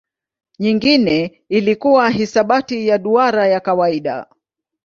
Nyingine ilikuwa hisabati ya duara ya kawaida.